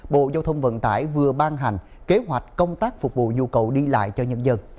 bộ giao thông vận tải vừa ban hành kế hoạch công tác phục vụ nhu cầu đi lại cho nhân dân